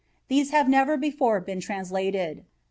These have never before been translated.